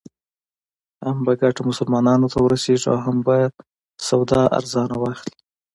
هم به ګټه مسلمانانو ته ورسېږي او هم به سودا ارزانه واخلې.